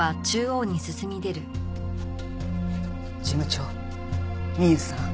事務長美夕さん